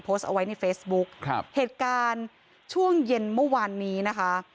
โพสต์เอาไว้ในเฟซบุ๊คครับเหตุการณ์ช่วงเย็นเมื่อวานนี้นะคะ